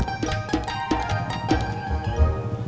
uih si bang